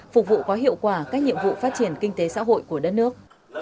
phục vụ có hiệu quả các nhiệm vụ phát triển kinh tế xã hội của đất nước